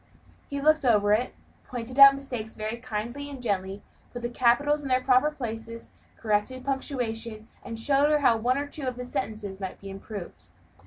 He looked over it, pointed out the mistakes very kindly and gently, put the capitals in their proper places, corrected the punctuation, and showed her how one or two of her sentences might be improved.